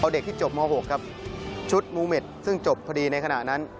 เด็กที่จบม๖ครับชุดมูเม็ดซึ่งจบพอดีในขณะนั้น